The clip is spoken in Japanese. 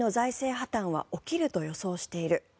破たんは起きると予想している。